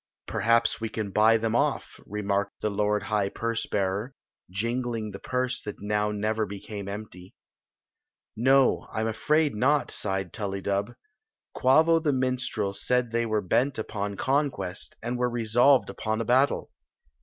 " Perhaps we can buy them off," remarked the lord high purse bearer, jingling the purse that now never became empty. " No, I 'm afraid not," sighed Tullydub. "Quavo the minstrel said they were bent upon conquest, and were resolved upon a battle."